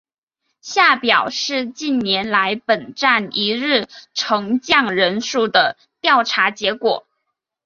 下表是近年来本站一日乘降人数的调查结果。